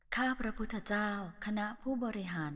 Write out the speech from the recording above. ข้าพระพุทธเจ้าคณะผู้บริหาร